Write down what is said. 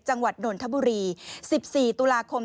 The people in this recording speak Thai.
จังหวัดหนนทบุรี๑๔ตุลาคม